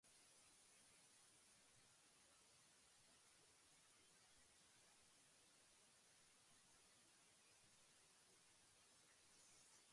ホーリー祭はもともと豊作祈願の祭りであったが、その後クリシュナ伝説などの各地の悪魔払いの伝説などが混ざって、現在みられる形になった。